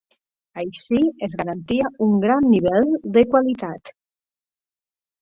Així es garantia un gran nivell de qualitat.